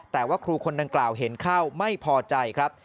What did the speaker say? แต่ว่าครูคนดังกล่าวเห็นเข้าไม่พอใจครับ